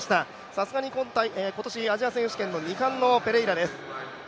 さすがに今年、アジア選手権２冠のペレイラです。